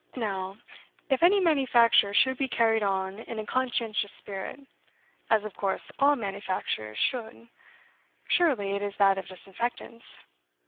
Now, if any manufacture should be carried on in a conscientious spirit as of course all manufactures should surely it is that of disinfectants.